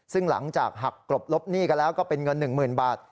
ซึ่งหลังจากหักกรบลบหนี้กันแล้วก็เป็นเงิน๑๐๐๐บาท